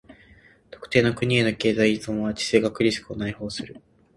特定の国への経済依存は地政学リスクを内包する。